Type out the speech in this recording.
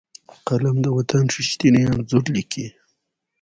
قلم د وطن ریښتیني انځور لیکي